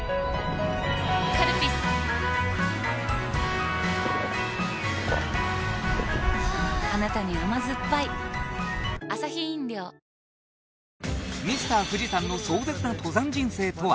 カルピスはぁあなたに甘ずっぱいミスター富士山の壮絶な登山人生とは？